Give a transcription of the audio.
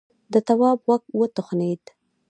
د تواب غوږ وتخڼېد.